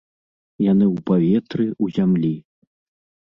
Яны ў паветры, у зямлі.